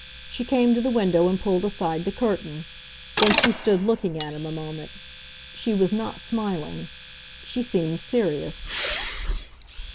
She came to the window and pulled aside the curtain; then she stood looking at him a moment. She was not smiling; she seemed serious.